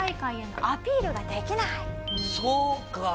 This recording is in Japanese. そうか。